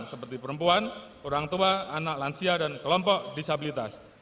seperti perempuan orang tua anak lansia dan kelompok disabilitas